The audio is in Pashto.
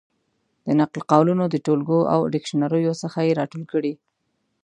د نقل قولونو د ټولګو او ډکشنریو څخه یې را ټولې کړې.